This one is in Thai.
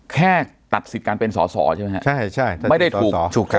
แค่ตัดสิทธิ์การเป็นสอสอใช่ไหมฮะใช่ใช่ไม่ได้ถูกถูกครับ